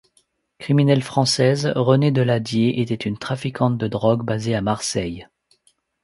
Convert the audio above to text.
Criminelle française, Renée Deladier, était une trafiquante de drogue basée à Marseille.